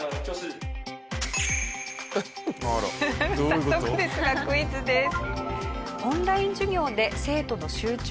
早速ですがクイズです。